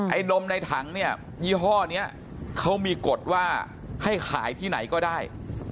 นมในถังเนี่ยยี่ห้อนี้เขามีกฎว่าให้ขายที่ไหนก็ได้